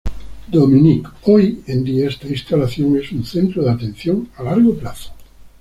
Dominique, hoy en día esta instalación es un centro de atención a largo plazo.